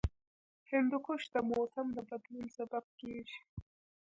هندوکش د موسم د بدلون سبب کېږي.